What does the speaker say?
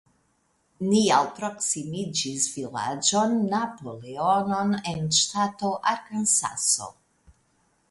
Ni alproksimiĝis vilaĝon Napoleonon en ŝtato Arkansaso.